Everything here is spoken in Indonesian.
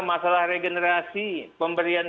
masalah regenerasi pemberian